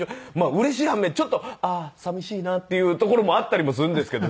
うれしい反面ちょっとああ寂しいなっていうところもあったりもするんですけど。